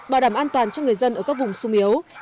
bảo đảm an toàn cho người dân ở các vùng sung yếu